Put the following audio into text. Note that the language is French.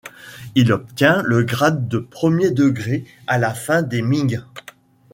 Il obtient le grade de premier degré à la fin des Ming.